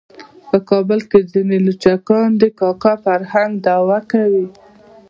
په کابل کې ځینې لچکان د کاکه فرهنګ دعوه کوي.